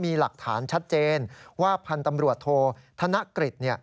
มีหลักฐานชัดเจนว่าพันธ์ตำรวจโทษธนกฤษ